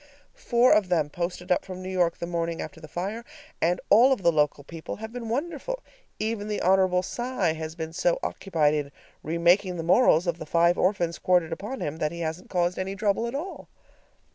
Four of them posted up from New York the morning after the fire, and all of the local people have been wonderful. Even the Hon. Cy has been so occupied in remaking the morals of the five orphans quartered upon him that he hasn't caused any trouble at all.